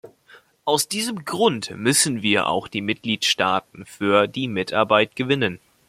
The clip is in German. Aus diesem Grund müssen wir auch die Mitgliedstaaten für die Mitarbeit gewinnen.